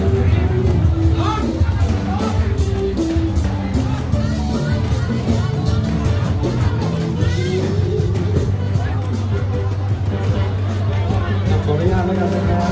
ขออนุญาติดรอบน้ำทราบ